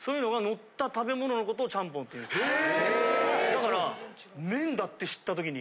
だから。